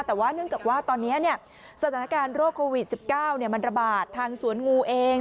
แต่ว่าเนื่องจากว่าตอนนี้สถานการณ์โรคโควิด๑๙มันระบาดทางสวนงูเอง